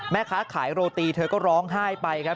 แม่ค้าขายโรตีเธอก็ร้องไห้ไปครับ